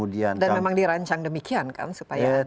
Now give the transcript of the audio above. dan memang dirancang demikian kan supaya ada